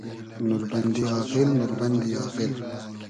نوربئندی آغیل ، نوربئندی آغیل